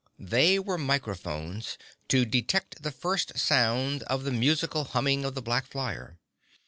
They were microphones to detect the first sound of the musical humming of the black flyer.